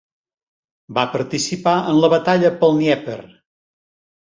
Va participar en la batalla pel Dnièper.